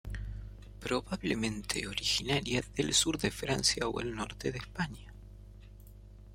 Probablemente originaria del sur de Francia o el norte de España.